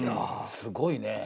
すごいね。